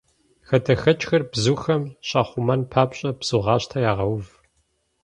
Хадэхэкӏхэр бзухэм щахъумэн папщӏэ, бзугъащтэ ягъэув.